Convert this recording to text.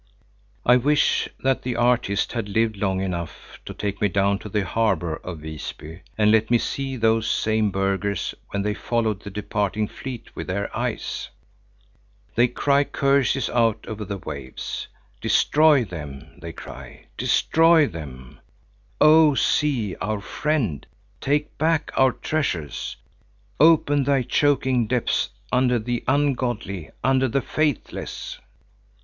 I wish that the artist had lived long enough to take me down to the harbor of Visby and let me see those same burghers, when they followed the departing fleet with their eyes. They cry curses out over the waves. "Destroy them!" they cry. "Destroy them! Oh sea, our friend, take back our treasures! Open thy choking depths under the ungodly, under the faithless!"